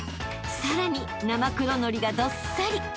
さらに生黒のりがどっさり］